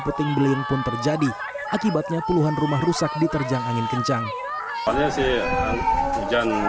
peting beliung pun terjadi akibatnya puluhan rumah rusak diterjang angin kencang hujan